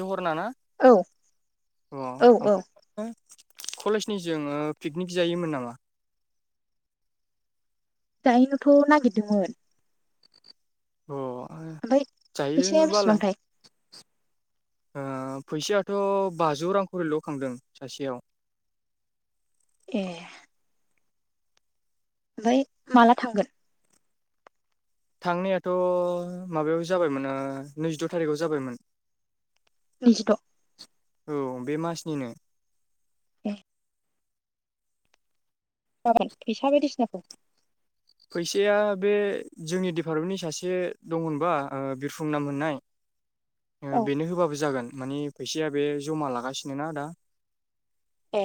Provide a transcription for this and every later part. जहरना ना औ औ औ ओमफ्राय कलेजनि जोङो पिकनिक जायोमोन नामा? जाहैनोथ' नागिरदोंमोन। अ ओ ओमफ्राय फैसाया जायो बालाय बेसेबांथाय ओ फैसायाथ' बाजौ रां खरिल' खांदों सासेयाव [inaudible] ए ओमफाय माला थांगोन थांनायाथ' माबायाव जाबायमोना नैजिद' थारिखआव जाबायमोन। नैजिद'। औ बे मासनिनो। ए गाबोन फैसा बायदिसिनाखौ फैसाया बे जोंनि डिपार्टमेन्टनि सासे दं होनबा ओ बिरफुं नाम होननाय औ बेनो होबाबो जागोन मानि फैसाया बे जमा लागासिनो ना दा ए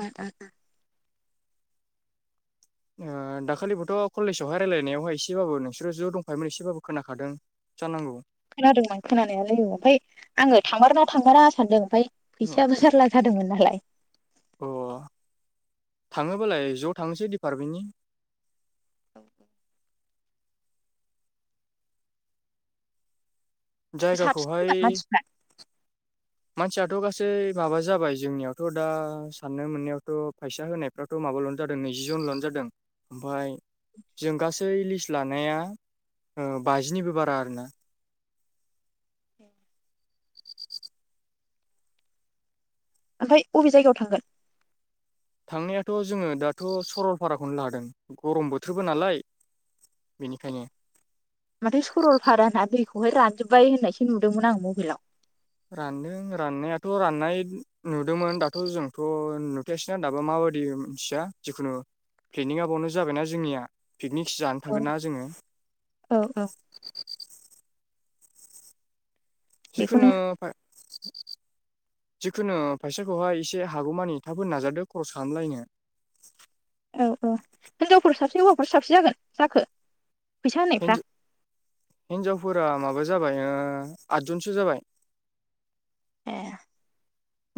ओ ओ ओं ओ दाखालिबोथ' कलेजावहाय रायलायनायावहाय एसेबाबो नोंसोरो ज' दंफायोमोन एसेबाबो खोनाखादों जानांगौ खोनादोंमोन खोनानायालाय औ ओमफ्राय आङो थांमारोना थांमारा सानदों ओमफ्राय अ फैसायाबो जारला जादोंमोन नालाय अ थाङोबालाय ज' थांसै दिडपार्टमेन्टनि [unintelligible] जायगाखौहाय साबसिन मानसिफ्रा मानसियाथ' गासैबो माबा जाबाय जोंनियावथ' दा साननो मोननायावथ' फैसा होनायफ्राथ' माबाल' जादों नैजि जन नो जादों ओमफाय जों गासै लिस्ट लानाया बाजिनिबो बारा आरोना ओमफाय अबे जायगायाव थांगोन थांनायाथ' जोङो दाथ' सरलपाराखौनो लादों गरम बोथोरबो नालाय बेनिखायनो माथो सरलपाराना दैखौहाय रानजोब्बाय होननायसो नुदोंमोन आं मबाइलाव रानदों राननायाथ' राननाय नुदोंमोन दाथ' जोंथ' नुथायासैना दाबा मा बादि मिथिया जिखुनु प्लेनिङा बावनो जाबायना जोंनिया पिकनिकसो जानो औ थांगोन ना जोङो औ औ जिखुनु बेखौनो जिखुनु फाइसाखौहाय एसे हागौमानि थाब होनो नाजादो खरस खालामलायनो औ औ हिनजावफोर साबसे हौवाफोर साबसे जागोन जाखो फैसा होनायफ्रा हिनजावफोरा माबा जाबाय आत जनसो जाबाय ए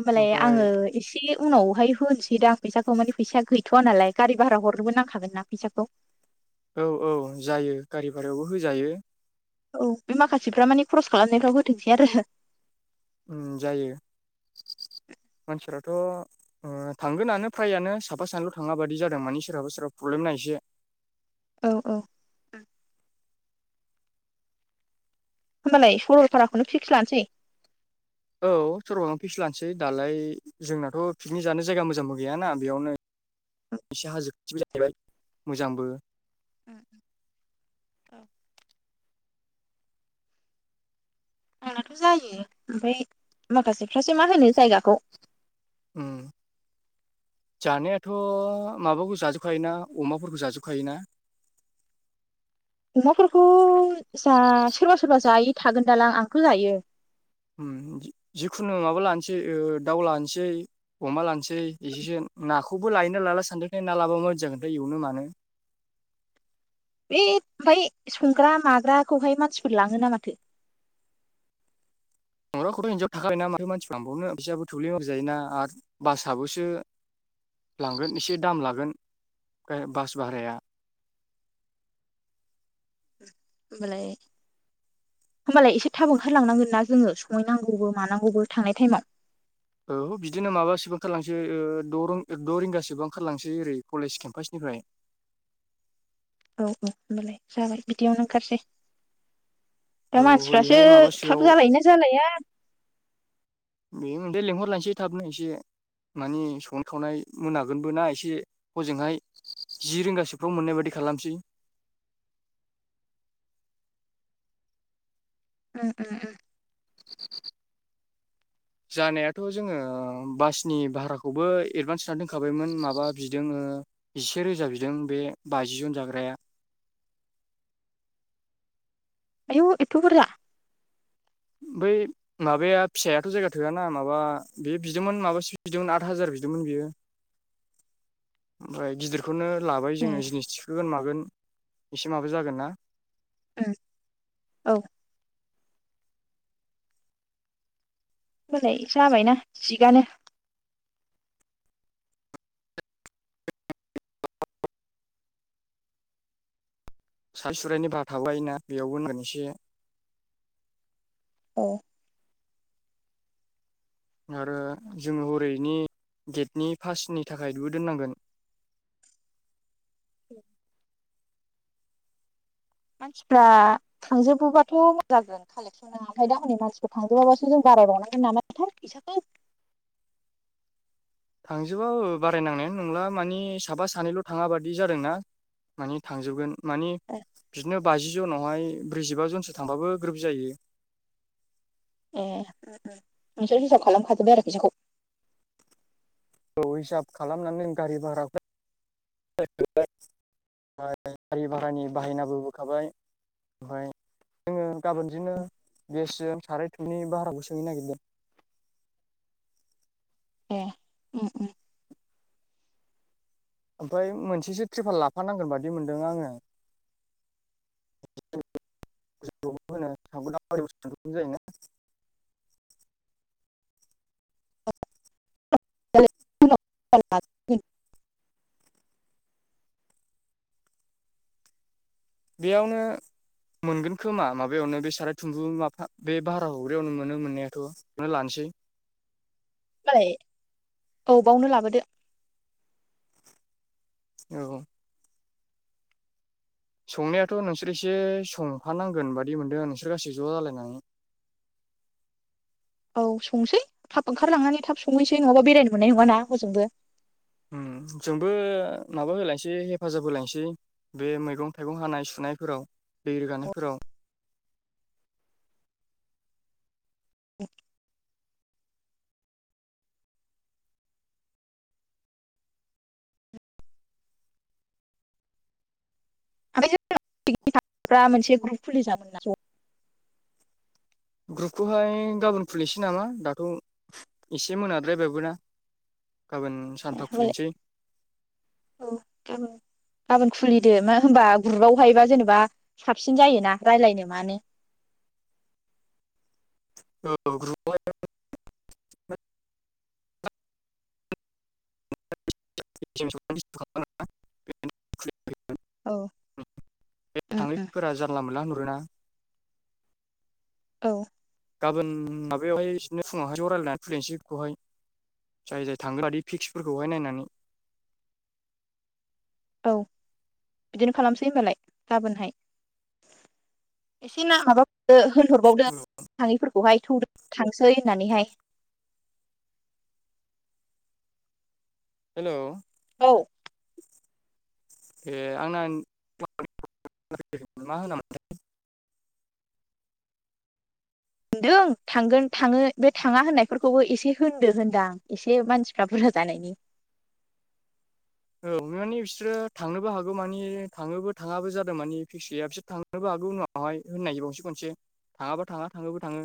होमबालाय ओमफ्राय आङो एसे उनावहाय होनोसैदांं फैसाखौ माने फैसाया गैथ'वा नालाय गारि भारा हरनोबो नांखागोन ना फैसाखौ औ औ जायो गारि भारायावबो होजायो औ बे माखासेफ्रा मानि खरस खालामनायफ्राव होथोंसै आरो जायो। मानसिफ्राथ' थांगोनानो फ्रायानो साफा सानैल' थाङा बादि जादों मानि सोरहाबा सोरहाबा प्र ब्लेम ना एसे औ‌ होमबालाय सरलपाराखौनो फिक्स लानोसै। औ सरलावनो फिक्स लानोसै दालाय जोंनाथ' पिकनिक जानो जायगा मोजांबो गैयाना बेयावनो एसे हाजो खाथिबो जाहैबाय मोजांबो [unintelligible] आंनाथ' जायो ओमफाय माखासेफ्रासो मा होनो जायगाखौ। उम जानायाथ' माबाखौ जाजोबखायोना अमाफोरखौ जाजोबखायोना? [inaudible] अमाफोरखौ जा सोरबा सोरबा जायै थागोनदालां आंथ' जायो। जिखुनु माबा लानोसै दाउ लानोसै अमा लानोसै एसेसो नाखौबो लायोना लाला सानदों ना लाबा मा बायदि जागोनथाय एवनो मानो। बे ओमफाय संग्रा माग्राखौहाय मानसिफोर लाङो नो माथो [inaudible] संग्राखौथ' इदियाव थाखायो ना माथो मानसि लांबावनो फैसायाबो थोब्ले माब्ले जायोना आरो बासाबोसो। लांगोन एसे दाम लागोन बास भाराया होमबालाय होमबालाय एसे थाब ओंखारलांनांगोन ना जोङो संहैनांगौबो मानांगौबो थांनाय टाइमाव। औ बिदिनो माबासोबा ओंखारलांसै द' रिंगा द' रिंगासो ओंखारलांसै ओरै कलेज केमपासनि फ्राय औ औ होमबालाय जागोन बिदियावनो ओंखारसै औ दा मानसिफ्रासो हरैहाय माबासोआव थाब जालायोना जालाया बे मोनदै लिंहरलायसै थाबनो एसे मानि संनाय खावनाय मोनागोनबो ना एसे हजोंहाय जि रिंगासोफ्राव मोननाय बादि खालामसै ओम ओम ओम जानायाथ' जोङो बासनि भाराखौबो एडभान्स होनानै दोनखाबायमोन माबा बिदों से रोजा बिदों बे बाजि जन जाग्राया आयौ एथ' बुरजा बै माबाया फिसायाथ' जायगा थोयाना माबा बे बिदोंमोन माबासो बिदोंमोन आद हाजार बिदोंमोन। ओमफ्राय गिदिरखौनो लाबाय ए जोङो जिनिस थिखोगोन मागोन एसे माबा जागोन ना। ओं औ होनबालाय जाबायना थिगानो साय सुरायनि भा थाबायोना बेयावबो मोनसे औ आरो जोङो हरैनि गेटनि पासिनि थाखाय दु दोननांगोन मानसिफ्रा थांजोबोबाथ' मज जागोन कालेकसना ओमफ्राय दा हनै मानसिफोर थांजोबाबासो जों बारायावनांगोन नामाथाया फैसाखौ [inaudible] थांजोबा बारायनांनायानो नंला मानि साबा सानैल' थाङा बादि जादोंना। मानि थांजोबगोन मानि बिदिनो बाजि जनाव हाय ब्रैजिबा जनसो थांबाबो ग्रोब जायो। ए नोंसोर हिसाब खालामखाजोबबाय आरोखि फैसाखौ औ हिसाब खालामनानै जों गारि भाराखौ ओमफ्राय गारि भारानि बाहायनाबो होखाबाय ओमफ्राय जोङो गाबोनजोंनो गेसजों साराय थुमै बाराखौ सोंहैनो नागिरदों। [inaudible] ए ओम ओम ओमफ्राय मोनसेसो ट्रिपाल लाफानांगोन बादि मोनदों आङो। [unintelligible] जायोना [unintelligible] [unintelligible] [unintelligible] बेयावनो मोनगोन खोमा माबायावनो बे साराय थुमबु माफा बे भारा हरग्रायावनो मोनो मोननायाथ' बेयावनो लानोसै। [inaudible] होनबालाय औ बावनो लाबोदो। औ संनायाथ' नोंसोर एसे संफानांगोन बादि मोनदोंं नोंसोर गासै ज' जालायनानै। [inaudible] औ संनोसै थाब ओंखारलांनानै थाब संहैसै नङाबा बेरायनो मोननाय नङाना हजोंबो। ओम जोंबो माबा होलायसै हेफाजाब होलायसै बे मैगं थाइगं हानाय सु नाय फोराव दै रोगानायफोराव। आमफाय [unintelligible] मोनसे ग्रुप खुलिजागोनदा ज' ग्रुपखौहाय गाबोन खुलिनोसै नामा दाथ' एसे मोनाद्रायबायबोना। [inaudible] ए सानफ्राव होनबालाय खुलिनोसै औ गाबोन गाबोन खुलिदो मा होमबा ग्रुपआवहायबा जेनेबा साबसिन जायोना रायलायनो मानो औ ग्रुपयावहाय [unintelligible] [unintelligible] [unintelligible] औ उम उम थांनायफोरा जानला मोनला होनहरोना। औ गाबोन माबायावहाय बिनो फुङावहाय रालायनानै खुलिनोसै बेखौहाय। जाय जाय थाङोबादि फिक्सफोरखौहाय नायनानै। औ बिदिनो खालामसै होनबालाय गाबोनहाय। एसे ना माबा दो होनहरबावदो थाङिफोर खौहाय थौदो थांसै होननानैहाय। हेलौ [unintelligible] ए आंना [unintelligible] मा होनामोन होनदों थांगोन थाङो बे थाङा होननायफोरखौबो एसे होनदो होनदां एसे मानसिफोरा बुरजा जानायनि। [inaudible] औ माने बिसोरो थांनोबो हागौ मानि थाङोबो थाङाबो जादों मानि फिक्स गैया बिसोर थांनोबो हा उनावहाय होननायबावसै खनसे थाङाबा थाङा थाङोबा थाङो।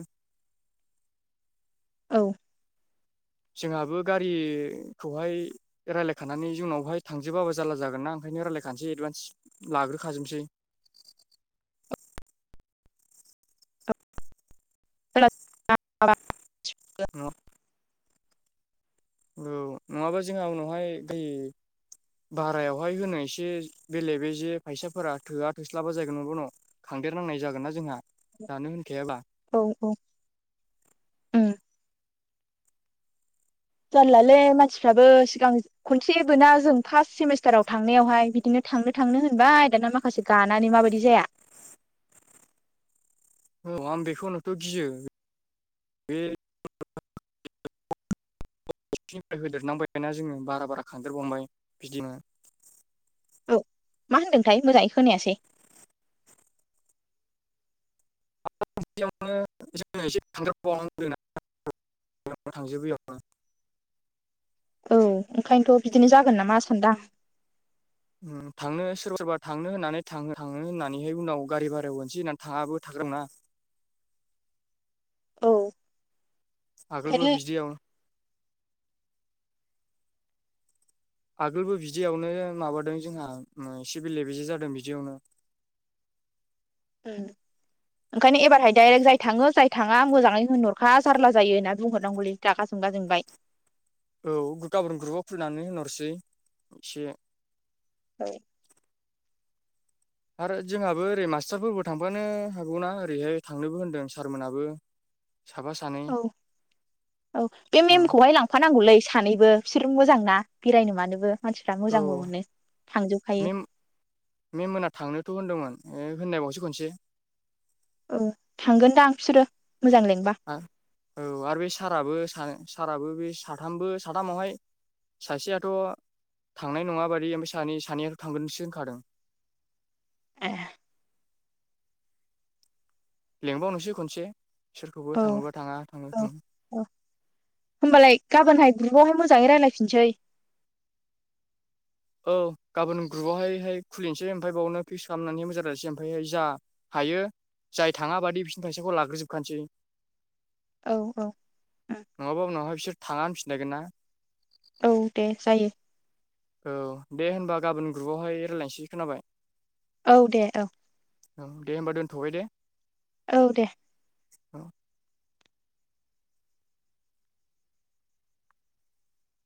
औ जोंहाबो गारिखौहाय रायलायखानानै जोंनावहाय थांजोबाबो जारला जागोन ना ओंखायनो रायलायखानोसै एडभान्स लाग्रोखाजोबनोसै। [unintelligible] [unintelligible] औ नङाबा जोंहा उनावहाय दै भारायावहाय होनो एसे बेले बे जे फैसाफोरा थोआ थोस्लाबा जायैगोन नङाबा उनाव लांदेरनांनाय जागोनना जोंहा दानो होनखायाबा। औ औ ओम जारलालै मानसिफ्राबो सिगां खनसेबोना जों फार्स्ट सेमिस्टाराव थांनायावहाय बिदिनो थांनो थांनो होनबाय दाना माखासे गानानै माबायदि जाया? [inaudible] औ आं बेखौनोथ गियो बे [inaudible] [inaudible] निफ्राय होदेरनांबायना जोङो बारा बारा खांदेर बांबाय बिदिनो। औ। मा होनदोंथाइ? मोजाङै खोनायासै। [inaudible] थांजोबैयावनो औ ओंखायनोथ' बिदिनो जागोन नामा सान्दां। उम थाङो सोरबा सोरबा थांनो होननानै थाङो थाङो होननानैहाय उनाव गारि भारायाव होनोसै होननानै थाङाबो। था जोगोन ना औ आगोलबो ओंखायनो बिदियाव आगोलबो बिदियावनो माबादों जोंहा मो एसे बेले बेजे जादों बिदियावनो। [inaudible] उम ओंखायनो एबारहाय दायरेक्ट जाय थाङो जाय थाङा मोजाङै होनहरखा जारला जायो होनना बुंहरनांगौलै। रागा जों बा जोंबाय। औ गाबोन ग्रुपाव खुलिनानै होनहरसै एसे। फाय आरो जोंहाबो ओरै मास्टारफोरबो थांफानो हागौना ओरैहाय थांनोबो होनदों सारमोनहाबो। [inaudible] औ औ बे मेमखौहाय लांफानांगौलै। सानैबो बिसोर मोजां ना बेरायनो मानोबो। मानसिफ्रा औ मोजांबो मोनो थांजोबखायो मेम मेमोना थांनोथ' होनदोंमोन। ओ होन्नाय बावसै खनसे। ओ थांगोनदां फिसोरो। आ औ आरो बे साराबो सा साराबो बे साथामबो साथामावहाय सासेयाथ' थांनाय नङाबादि ओमफाय सानै सानैयाथ' थांगोनसो होनखादों। [inaudible] ए लेंबावनोसै खनसे। सोरखौबो औ थाङोबा थाङा थाङो औ थाङो औ होनोमबालाय गाबोनहाय ग्रुबावहाय मोजाङै रायलायफिनसै। औ गाबोन ग्रुबावहायहाय खुलिनसै ओमफाय बावनो फिक्स खालामनानै मोजाङै रायलायनसै। ओमफायहाय जा हायो जाय थाङा बादि बिसिनि फायसाखौ लाग्रो जोबखानसै। औ औ नङाबा उनावहाय बिसोर थाङा होनफिनलायगोन ना। औ दे जायो। औ दे होनबा गाबोन ग्रुबावहाय रायलायनसै। खोनाबाय? औ दे औ। ओं दे होमबा दोनथ'बाय दे। औ दे। औ